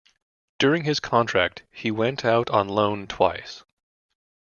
During his contract he went out on loan twice.